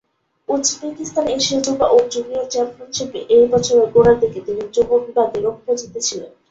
উজবেকিস্তানের এশীয় যুবা ও জুনিয়র চ্যাম্পিয়নশিপে এই বছরের গোড়ার দিকে, তিনি যুব বিভাগে রৌপ্য জিতেছিলেন।